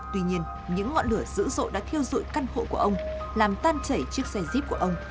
tuy nhiên những ngọn lửa dữ dội đã thiêu dụi căn hộ của ông làm tan chảy chiếc xe jeep của ông